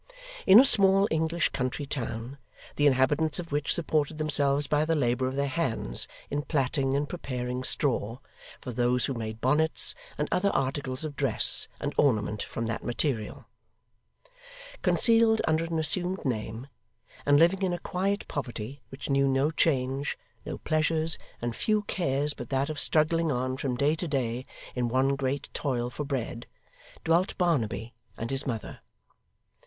In a small English country town, the inhabitants of which supported themselves by the labour of their hands in plaiting and preparing straw for those who made bonnets and other articles of dress and ornament from that material, concealed under an assumed name, and living in a quiet poverty which knew no change, no pleasures, and few cares but that of struggling on from day to day in one great toil for bread, dwelt Barnaby and his mother.